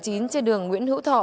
trên đường nguyễn hữu thọ